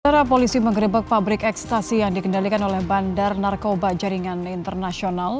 setelah polisi mengerebek pabrik ekstasi yang dikendalikan oleh bandar narkoba jaringan internasional